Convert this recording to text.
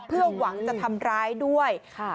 เพื่อหวังจะทำร้ายด้วย